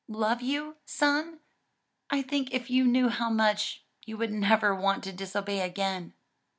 "Love you, son? I think if you knew how much, you would never want to disobey again."